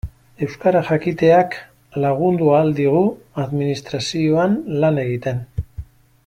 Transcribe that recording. Euskara jakiteak lagundu ahal digu administrazioan lan egiten.